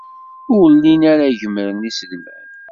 Ur llin ara gemmren iselman.